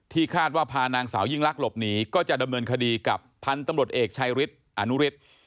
คาดว่าพานางสาวยิ่งลักษณ์หลบหนีก็จะดำเนินคดีกับพันธุ์ตำรวจเอกชายฤทธิ์อนุฤทธิ์